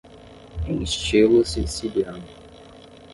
Em estilo siciliano